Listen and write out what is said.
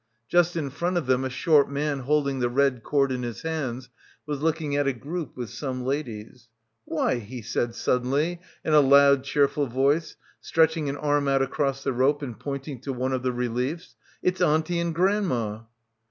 Just in front of them a short man holding the red cord in his hands was looking at a group with some ladies. "Why" he said suddenly in a loud cheerful voice, stretch ing an arm out across the rope and pointing to one of the reliefs, "it's Auntie and Grandma!"